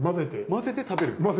混ぜて食べる？